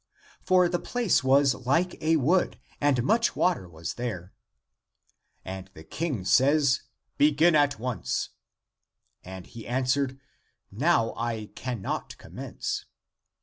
For the place was like a wood, and much water was there. And the King says, " Begin at once !" And he an swered, " Now I cannot commence."